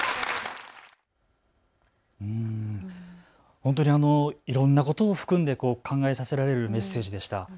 本当にいろんなことを含んで考えさせられるメッセージでした。